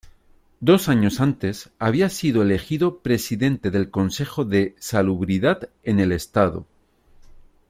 Dos años antes había sido elegido presidente del Consejo de Salubridad en el estado.